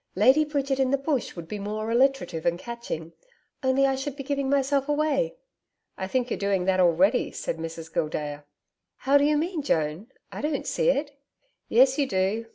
"Lady Bridget in the Bush" would be more alliterative and catching. Only I should be giving myself away.' 'I think you're doing that already,' said Mrs. Gildea. 'How do you mean, Joan? I don't see it.' 'Yes, you do.